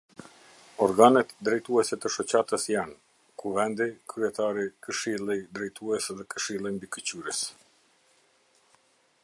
Organet drejtuese të shoqatës janë: Kuvendi, Kryetari, Këshilli Drejtues dhe Këshilli Mbikëqyrës.